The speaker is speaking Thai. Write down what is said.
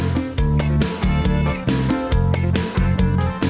มีความสุขมาก